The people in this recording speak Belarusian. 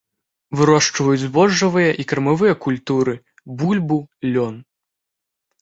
Вырошчваюць збожжавыя і кармавыя культуры, бульбу, лён.